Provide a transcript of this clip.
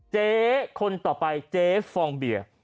เจ๊คนต่อไปเจ๊ฟองเบียร์